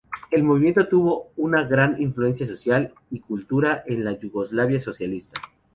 El movimiento tuvo una gran influencia social y cultural en la Yugoslavia socialista.